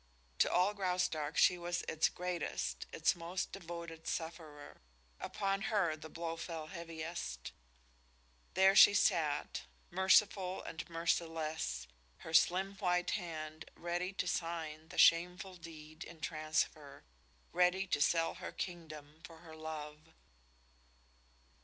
To all Graustark she was its greatest, its most devoted sufferer; upon her the blow fell heaviest. There she sat, merciful and merciless, her slim white hand ready to sign the shameful deed in transfer, ready to sell her kingdom for her love.